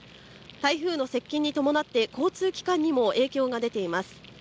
台風の接近に伴って交通機関にも影響が出ています